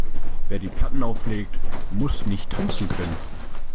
Wer die Platten auflegt, muss nicht tanzen können.